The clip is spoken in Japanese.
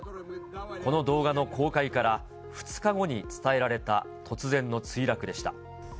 この動画の公開から２日後に伝えられた突然の墜落でした。